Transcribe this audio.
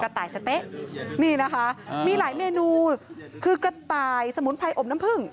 ต่ายสะเต๊ะนี่นะคะมีหลายเมนูคือกระต่ายสมุนไพรอบน้ำผึ้ง